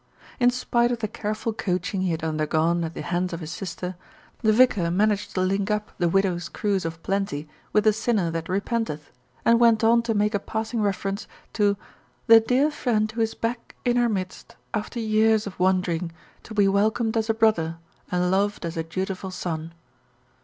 In spite of the careful coaching he had undergone at the hands of his sister, the vicar managed to link up the widow's cruse of plenty with the sinner that re penteth, and went on to make a passing reference to "the dear friend who is back in our midst after years of wandering, to be welcomed as a brother and loved as a dutiful son."